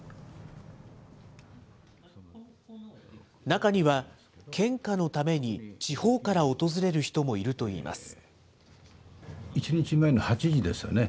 中には、献花のために地方から訪れる人もいるといいます。